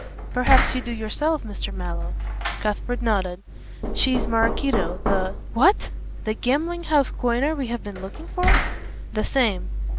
"Perhaps you do yourself, Mr. Mallow?" Cuthbert nodded. "She is Maraquito, the " "What! the gambling house coiner we have been looking for?" "The same.